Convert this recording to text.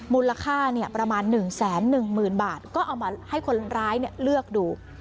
มูลค่าเนี่ยประมาณหนึ่งแสนหนึ่งหมื่นบาทก็เอามาให้คนร้ายเนี่ยเลือกดู